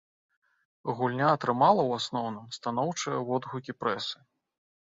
Гульня атрымала, у асноўным, станоўчыя водгукі прэсы.